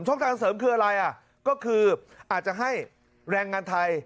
ช่องทางเสริมคืออะไรอ่ะก็คืออาจจะให้แรงงานไทย